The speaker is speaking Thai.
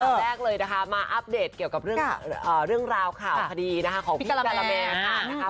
ตอนแรกเลยนะคะมาอัพเดทเกี่ยวกับเรื่องราวข่าวคดีของพี่กะละแมน